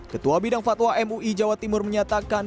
ketua bidang fatwa mui jawa timur menyatakan